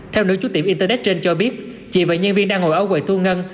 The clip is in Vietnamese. theo nữ chú tiệm internet trên cho biết chị và nhân viên đang ngồi ở quầy thu ngân